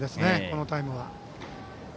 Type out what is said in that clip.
このタイムは。